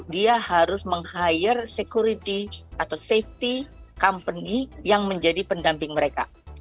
dia harus meng hire security atau safety company yang menjadi pendamping mereka